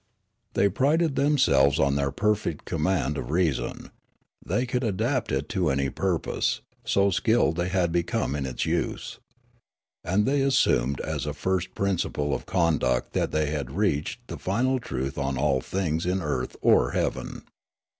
They prided themselves on their perfect command of reason ; they could adapt it to any purpose, so skilled had they become in its use. And they assumed as a first principle of conduct that they had reached the final truth on all things in earth or heaven.